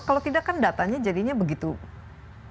kalau tidak kan datanya jadinya begitu banyak